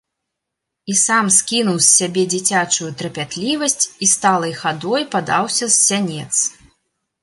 І сам скінуў з сябе дзіцячую трапятлівасць і сталай хадой падаўся з сянец.